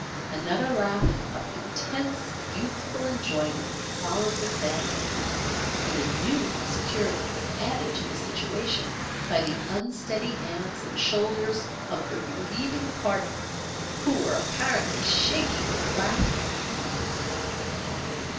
Another laugh of intense youthful enjoyment followed the failure, and a new insecurity was added to the situation by the unsteady hands and shoulders of the relieving party who were apparently shaking with laughter.